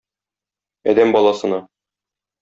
Адәм баласына